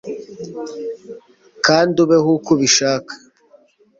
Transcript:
kandi ubeho uko ubishaka